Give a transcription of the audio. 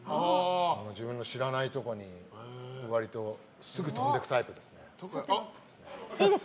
自分が知らないところに割とすぐ飛んでいくタイプです。